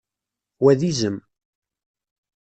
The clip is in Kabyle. Wa d izem.